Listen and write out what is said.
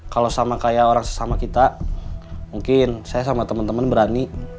kalau sama kayak orang sesama kita mungkin saya sama teman teman berani